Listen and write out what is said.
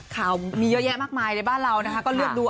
ข่าวมีเยอะแยะมากมายในบ้านเรานะคะก็เลือกดู